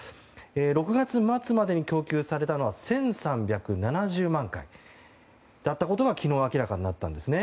６月末までに供給されたのは１３７０万回だったことが昨日明らかになったんですね。